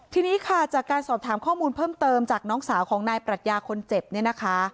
ทีนี้ค่ะจากการสอบถามข้อมูลเพิ่มเติมจากน้องสาวของนายปรัชญาคนเจ็บเนี่ยนะคะ